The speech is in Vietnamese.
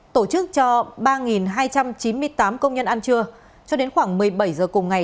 tổ chức cho ba hai trăm chín mươi tám công nhân ăn trưa cho đến khoảng một mươi bảy giờ cùng ngày